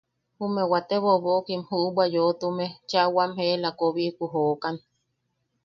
Jume wate bobokim juʼubwa yoʼotume cheʼa wam ela, koobiku jookan.